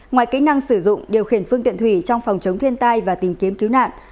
ngoài kỹ năng sử dụng điều khiển phương tiện thủy trong phòng chống thiên tai và tìm kiếm cứu nạn